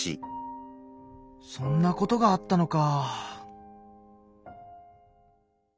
そんなことがあったのか。